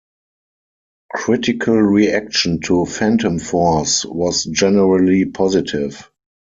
Critical reaction to "Phantom Phorce" was generally positive.